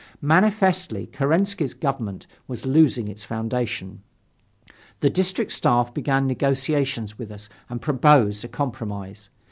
Manifestly Kerensky's government was losing its foundations. The District Staff began negotiations with us and proposed a compromise.